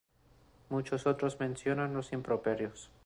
Muchos otros mencionan los "Improperios".